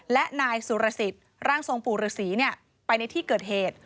และนายสุรสิทธิ์ร่างทรงปู่ฤษีไปในที่เกิดเหตุ